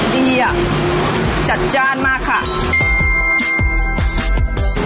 ดีอ่ะจัดจ้านมากค่ะ